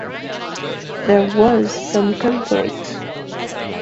There was some conflict.